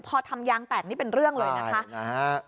พอทำยางแตกนี่เป็นเรื่องเลยนะคะ